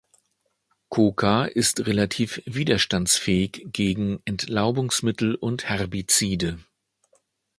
Koka ist relativ widerstandsfähig gegen Entlaubungsmittel und Herbizide.